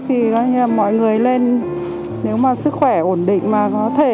thì mọi người lên nếu mà sức khỏe ổn định mà có thể